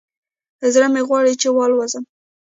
زړه مې غواړي چې والوزم